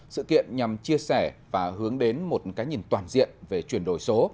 sự kiện nhằm chia sẻ và hướng đến một cái nhìn toàn diện về chuyển đổi số